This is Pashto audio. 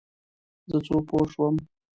زه څه پوه شم ؟